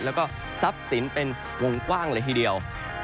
แล้วก็ทรัพย์สินเป็นวงกว้างเลยทีเดียว